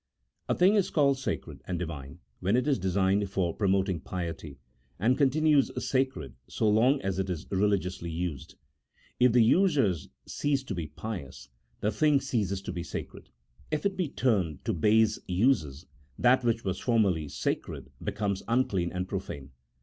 A thing is called sacred and Divine when it is designed for promoting piety, and continues sacred so long as it is religiously used : if the users cease to be pious, the thing ceases to be sacred : if it be turned to base uses, that which was formerly sacred becomes unclean and profane.